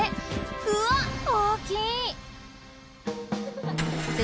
うわっ大きい！